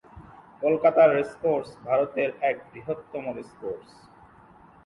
কলকাতার রেসকোর্স ভারতের এক বৃহত্তম রেসকোর্স।